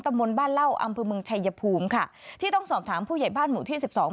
มนต์บ้านเล่าอำเภอเมืองชัยภูมิค่ะที่ต้องสอบถามผู้ใหญ่บ้านหมู่ที่สิบสอง